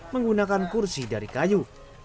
menggunakan kursi dari kayu